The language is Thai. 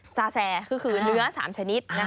บะแสคือเนื้อสามชนิด